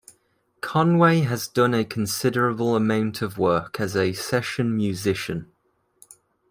Conway has done a considerable amount of work as a session musician.